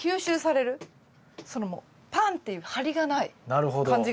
そのパンっていう張りがない感じがします